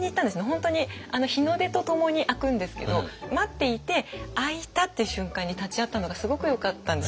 本当に日の出とともに開くんですけど待っていて開いたっていう瞬間に立ち会ったのがすごくよかったんです。